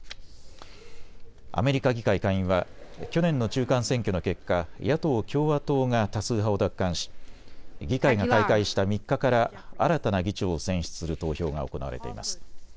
アメリカ議会下院は去年の中間選挙の結果、野党・共和党が多数派を奪還し議会が開会した３日から新たな議長を選出する投票が行われています。